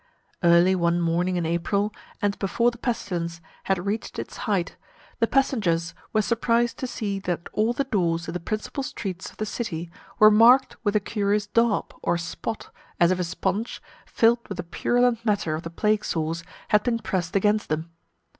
Early one morning in April, and before the pestilence had reached its height, the passengers were surprised to see that all the doors in the principal streets of the city were marked with a curious daub, or spot, as if a sponge, filled with the purulent matter of the plague sores, had been pressed against them.